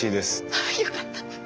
あよかった。